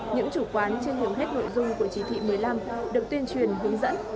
những chủ quán trên hầu hết nội dung của chỉ thị một mươi năm được tuyên truyền hướng dẫn